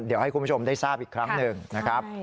เดี๋ยวให้คุณผู้ชมได้ทราบอีกครั้งหนึ่งนะครับ